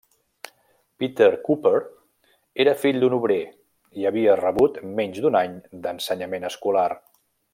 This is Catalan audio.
Peter Cooper era fill d'un obrer, i havia rebut menys d'un any d'ensenyament escolar.